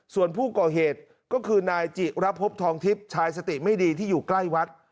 ส่วนผู้ก่อเหตุก็คือนายจิระพบทองทิพย์ชายสติไม่ดีที่อยู่ใกล้วัด